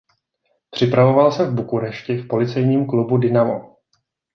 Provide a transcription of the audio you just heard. Připravoval se v Bukurešti v policejním klubu Dinamo.